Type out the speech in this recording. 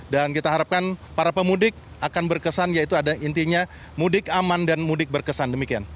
dan kita harapkan para pemudik akan berkesan yaitu ada intinya mudik aman dan mudik berkesan demikian